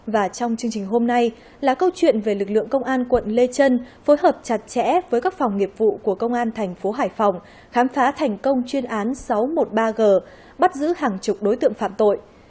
và trong chương trình hôm nay là câu chuyện về lực lượng công an quận lê trân phối hợp chặt chẽ với các phòng nghiệp vụ của công an thành phố hải phòng khám phá thành công chuyên án sáu trăm một mươi ba g bắt giữ hàng chục đối tượng phạm tội